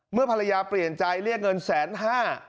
ภรรยาเปลี่ยนใจเรียกเงินแสนห้า